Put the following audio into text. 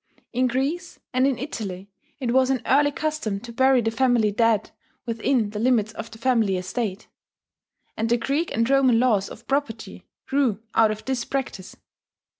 In Greece and in Italy it was an early custom to bury the family dead within the limits of the family estate; and the Greek and Roman laws of property grew out of this practice.